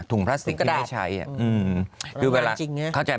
ถุงพลาสติกที่ไม่ใช้